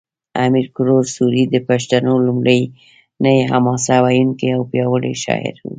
امیر کروړ سوري د پښتو لومړنی حماسه ویونکی او پیاوړی شاعر و